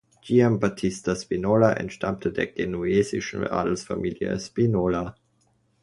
Giambattista Spinola entstammte der genuesischen Adelsfamilie Spinola.